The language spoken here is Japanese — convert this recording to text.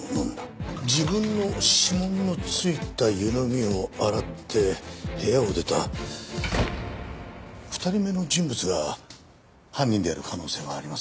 自分の指紋の付いた湯飲みを洗って部屋を出た２人目の人物が犯人である可能性はありますね。